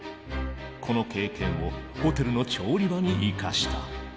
この経験をホテルの調理場に生かした。